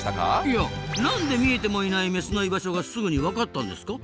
いや何で見えてもいないメスの居場所がすぐに分かったんですか？